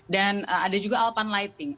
dan ada juga alpan lighting